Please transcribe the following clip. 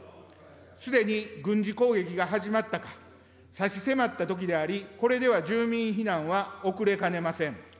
すでに軍事攻撃が始まったか、差し迫ったときであり、これでは住民避難は遅れかねません。